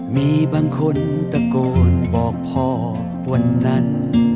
มีบางคนตะโกนบอกพ่อวันนั้น